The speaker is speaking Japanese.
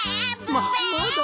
まっまだ。